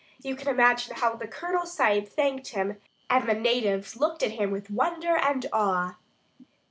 You can imagine how the Colonel Sahib thanked him; and the natives looked at him with wonder and awe.